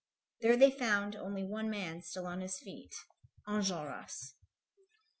There they found only one man still on his feet, Enjolras.